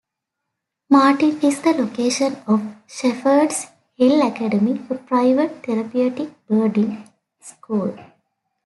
Martin is the location of Shepherd's Hill Academy, a private therapeutic boarding school.